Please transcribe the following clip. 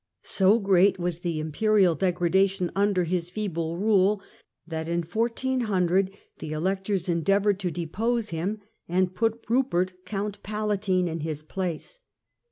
So great was the Imperial degradation under his feeble rule, that in 1400 the Electors endeavoured to depose him and put Kupert Count Palatine in his place.